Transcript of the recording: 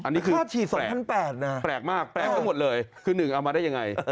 อันนี้ค่าฉีด๒๘๐๐บาทน่ะแปลกมากก็หมดเลยคือหนึ่งเอามาได้ยังไง